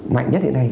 mạnh nhất hiện nay